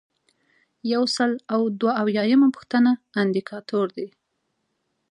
یو سل او دوه اویایمه پوښتنه اندیکاتور دی.